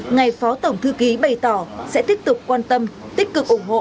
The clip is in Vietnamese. ngày phó tổng thư ký bày tỏ sẽ tiếp tục quan tâm tích cực ủng hộ